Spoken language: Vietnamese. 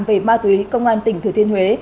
về ma tùy công an tỉnh thừa thiên huế